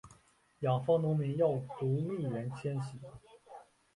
养蜂农民要逐蜜源迁徙